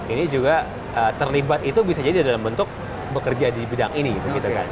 ini juga terlibat itu bisa jadi dalam bentuk bekerja di bidang ini gitu kan